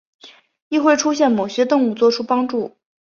亦会出现某些动物作出帮助。